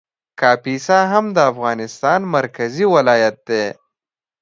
کاپیسا هم د افغانستان مرکزي ولایت دی